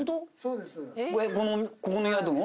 ここの宿の？